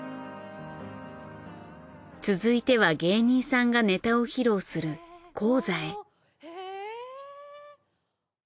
続いては芸人さんがネタを披露する高座へ。へ。